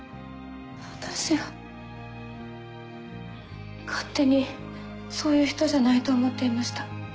私は勝手にそういう人じゃないと思っていました